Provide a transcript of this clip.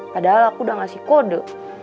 padahal aku udah ngasih kode